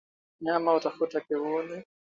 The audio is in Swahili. Wanyama hutafuta kivuli